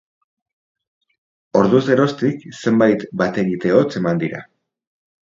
Orduz geroztik zenbait bat-egite hotz eman dira.